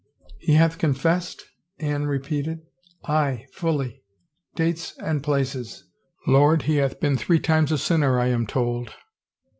He hath confessed?" Anne repeated. Aye, fully. Dates and places. Lord, he hath been three times a sinner, I am told."